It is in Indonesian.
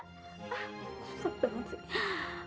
susah banget sih